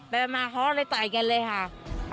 ไปมาเขาเลยต่อยกันเลยค่ะ